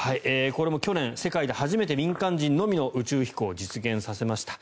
これも去年、世界で初めて民間人のみの宇宙飛行を実現させました。